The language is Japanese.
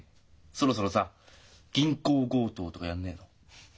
そろそろさ銀行強盗とかやんねえの？